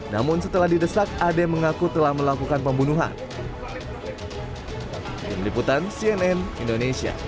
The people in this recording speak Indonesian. namun setelah didesak ade mengaku telah melakukan pembunuhan